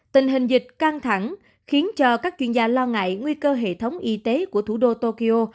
tình hình dịch căng thẳng khiến cho các chuyên gia lo ngại nguy cơ hệ thống y tế của thủ đô tokyo